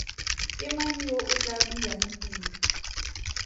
Ke mang yo o tlaa bulang tiro?